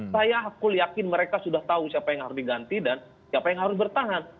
saya aku yakin mereka sudah tahu siapa yang harus diganti dan siapa yang harus bertahan